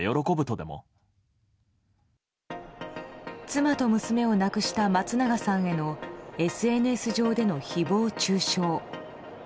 妻と娘を亡くした松永さんへのＳＮＳ上での誹謗中傷。